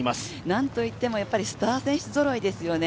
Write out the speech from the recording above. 何といってもスター選手ぞろいですよね。